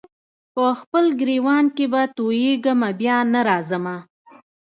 په خپل ګرېوان کي به تویېږمه بیا نه راځمه